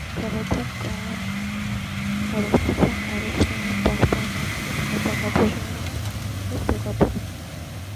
Քաղաքում կան առողջության առաջնային պահպանման կետ, ատամնաբուժարան և դեղատուն։